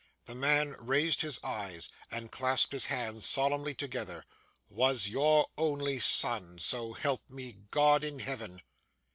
The man raised his eyes, and clasped his hands solemnly together: ' Was your only son, so help me God in heaven!